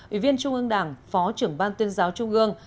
ủy viên trung ương đảng phó trưởng ban tuyên giáo trung ương